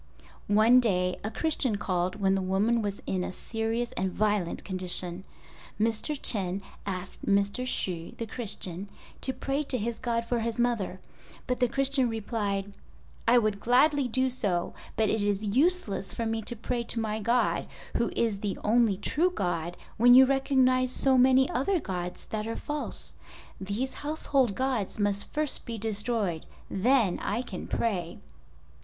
One day a Christian called when the woman was in a serious and violent condition. Mr. Chen asked Mr. Hsu, the Christian, to pray to his God for his mother, but the Christian replied, "I would gladly do so, but it is useless for me to pray to my God, who is the only true God, when you recognize so many other gods that are false. These household gods must first be destroyed: then I can pray."